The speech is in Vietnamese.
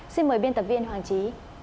xin mời biên tập viên hoàng trí